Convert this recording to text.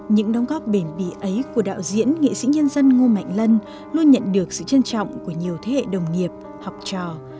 những đóng góp bền bỉ ấy của đạo diễn nghệ sĩ nhân dân ngô mạnh lân luôn nhận được sự trân trọng của nhiều thế hệ đồng nghiệp học trò